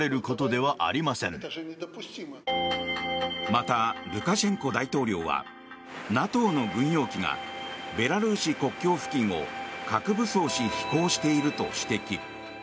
また、ルカシェンコ大統領はＮＡＴＯの軍用機がベラルーシ国境付近を核武装し飛行していると指摘。